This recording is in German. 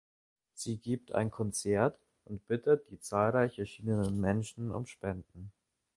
Sie gibt ein Konzert und bittet die zahlreich erschienenen Menschen um Spenden.